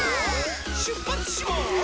しゅっぱつします！